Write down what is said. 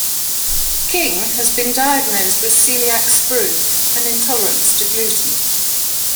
King has been diagnosed with celiac sprue, an intolerance to gluten.